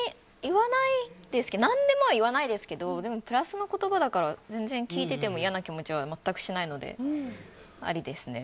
何でもは言わないですけどでもプラスの言葉だから全然聞いてても嫌な気持ちは全くしないのでありですね。